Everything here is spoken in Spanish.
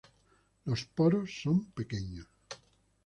Los poros son pequeños.